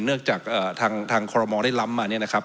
เนื่องจากทางคอรมอลได้ล้ำมาเนี่ยนะครับ